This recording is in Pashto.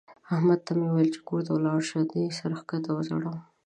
احمد ته مې وويل چې کور ته ولاړ شه؛ ده سر کښته وځړاوو.